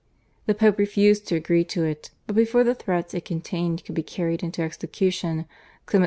The Pope refused to agree to it, but before the threats it contained could be carried into execution Clement XIII.